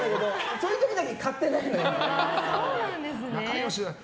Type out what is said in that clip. そういう時だけ買ってないのよ。